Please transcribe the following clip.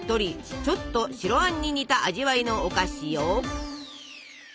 ちょっと白あんに似た味わいのお菓子よ。